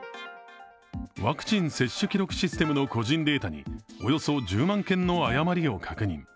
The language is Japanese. ワクチン接種記録システムの個人データにおよそ１０万件の誤りを確認。